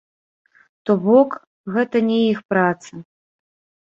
То бок, гэта не іх праца.